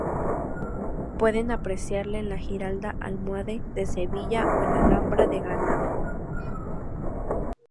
Pueden apreciarse en la Giralda almohade de Sevilla o en la Alhambra de Granada.